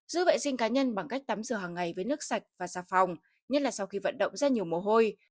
giữ vệ sinh cá nhân bằng cách tắm rửa hàng ngày với nước sạch và xà phòng nhất là sau khi vận động ra nhiều mồ hôi